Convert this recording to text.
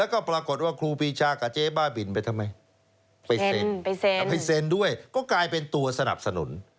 ก็กลายเป็นตัวสนับสนุน